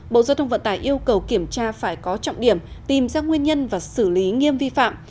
bộ giao thông vận tải yêu cầu kiểm tra phải có trọng điểm tìm ra nguyên nhân và xử lý nghiêm vi phạm